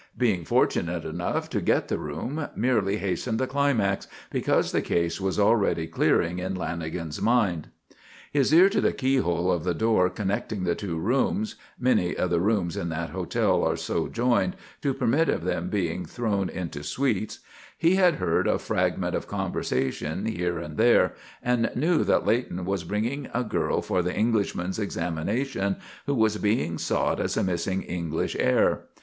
Being fortunate enough to get the room merely hastened the climax, because the case was already clearing in Lanagan's mind. His ear to the keyhole of the door connecting the two rooms many of the rooms in that hotel are so joined, to permit of them being thrown into suites he had heard a fragment of conversation here and there, and knew that Leighton was bringing a girl for the Englishman's examination who was being sought as a missing English heir.